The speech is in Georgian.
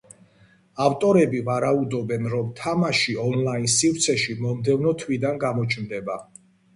ავტორები ვარაუდობენ, რომ თამაში ონლაინ სივრცეში მომდევნო თვიდან გამოჩნდება.